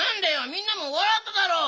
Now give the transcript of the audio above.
みんなもわらっただろ。